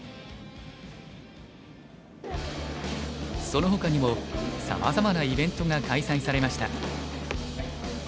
そのほかにもさまざまなイベントが開催されました。